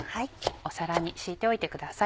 皿に敷いておいてください。